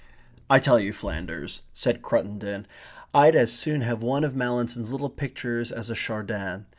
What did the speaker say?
"I tell you, Flanders," said Cruttendon, "I'd as soon have one of Mallinson's little pictures as a Chardin.